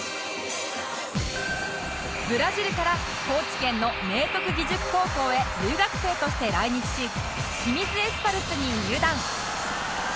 ブラジルから高知県の明徳義塾高校へ留学生として来日し清水エスパルスに入団